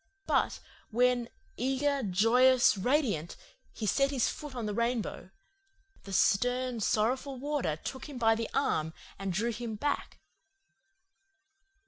But when, eager, joyous, radiant, he set his foot on the rainbow, the stern, sorrowful Warder took him by the arm and drew him back.